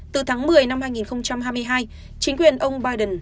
từ tháng một mươi năm hai nghìn hai mươi hai chính quyền ông biden